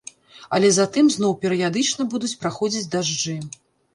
Але затым зноў перыядычна будуць праходзіць дажджы.